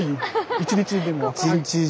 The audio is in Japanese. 一日でも。